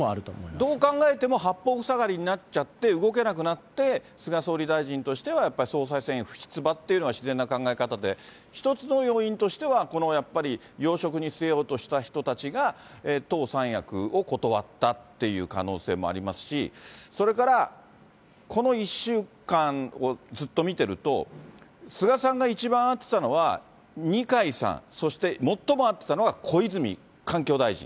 どう考えても八方ふさがりになっちゃって、動けなくなって、菅総理大臣としては、やっぱり総裁選へ不出馬っていうのが自然な考え方で、一つの要因としては、このやっぱり、要職に据えようとした人たちが、党三役を断ったっていう可能性もありますし、それからこの１週間をずっと見てると、菅さんが一番会ってたのは二階さん、そして最も会ってたのが小泉環境大臣。